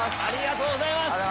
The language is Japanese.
ありがとうございます！